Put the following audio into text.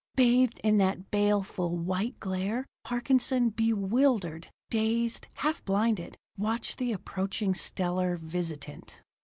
Bathed in that baleful, white glare, Parkinson, bewildered, dazed, half blinded, watched the approaching stellar visitant.